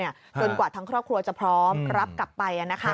จนกว่าทั้งครอบครัวจะพร้อมรับกลับไป